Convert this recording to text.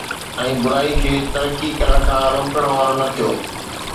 ۽ برائي کي ترقي ڪرڻ کان روڪڻ وارو نه ٿيو